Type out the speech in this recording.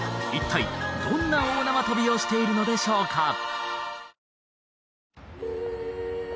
一体どんな大縄跳びをしているのでしょうか？